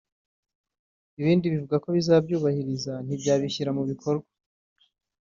ibindi bivuga ko bizabyubahiriza ntibyabishyira mu bikorwa